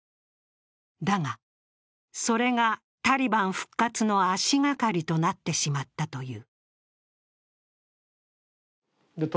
だが、それがタリバン復活の足がかりとなってしまったという。